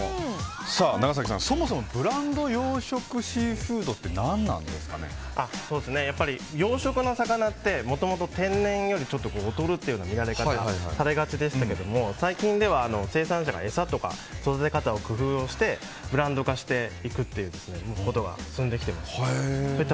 ながさきさん、そもそもブランド養殖シーフードって養殖の魚ってもともと天然よりも劣るという見られ方をされがちでしたが最近では生産者が餌とか育て方を工夫してブランド化していくということが進んできています。